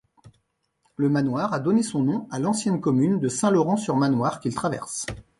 Le Manoire a donné son nom a l'ancienne commune de Saint-Laurent-sur-Manoire qu'il traverse.